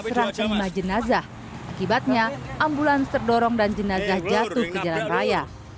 serang kelima jenazah akibatnya ambulans terdorong dan jenazah jatuh ke jalan raya